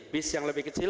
bis yang lebih kecil